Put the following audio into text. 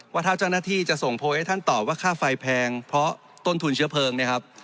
ว่าถ้าเจ้าหน้าที่จะส่งโพลให้ท่านตอบว่าค่าไฟแพงเพราะต้นทุนเชื้อเพลิงเนี่ยครับ